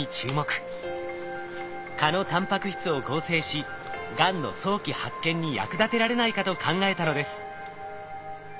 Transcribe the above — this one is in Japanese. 蚊のタンパク質を合成しがんの早期発見に役立てられないかと考えたのです。